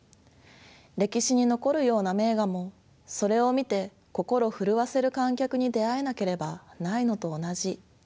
歴史に残るような名画もそれを見て心震わせる観客に出会えなければないのと同じ。